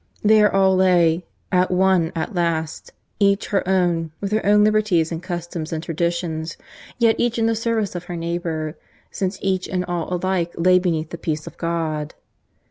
There all lay, at one at last, each her own, with her own liberties and customs and traditions, yet each in the service of her neighbour, since each and all alike lay beneath the Peace of God.